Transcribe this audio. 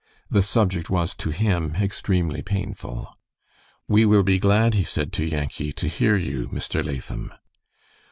The subject was to him extremely painful. "We will be glad," he said to Yankee, "to hear you, Mr. Latham."